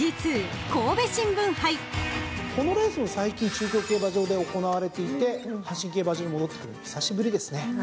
このレースも最近中京競馬場で行われていて阪神競馬場に戻ってくるの久しぶりですね。